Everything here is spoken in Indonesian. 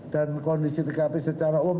dan kondisi tkp secara umum